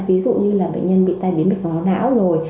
ví dụ như là bệnh nhân bị tai biến bị vó não rồi